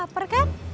kamu lapar kan